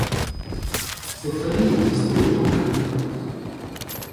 Cette famille existait au temps de la conquête.